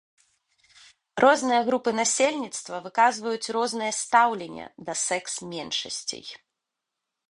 Розныя групы насельніцтва выказваюць рознае стаўленне да секс-меншасцей.